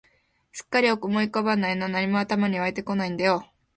すっかり思い浮かばないな、何も頭に湧いてこないんだよ